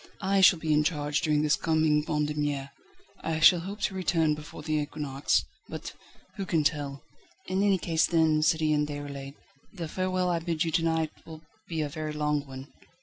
I shall be in charge during this coming Vendémiaire. I shall hope to return before the equinox, but who can tell?" "In any case then, Citoyen Déroulède, the farewell I bid you to night will be a very long one."